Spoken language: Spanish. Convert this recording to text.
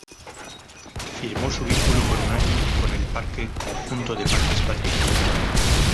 Firmó su vínculo por un año con el conjunto de Parque Patricios.